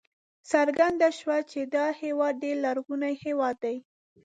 څرګنده شوه چې دا هېواد ډېر لرغونی هېواد دی.